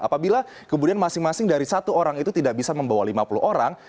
apabila kemudian masing masing dari satu orang itu tidak bisa membawa lima puluh orang